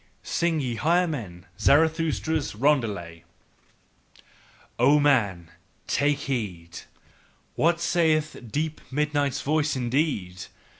sing, ye higher men, Zarathustra's roundelay! O man! Take heed! What saith deep midnight's voice indeed?